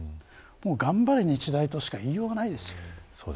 もう頑張れ日大としか言いようがないです。